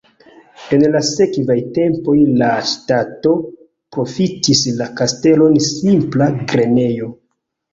En la sekvaj tempoj la ŝtato profitis la kastelon simpla grenejo.